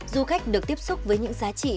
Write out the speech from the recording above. du khách được tiếp xúc với những giá trị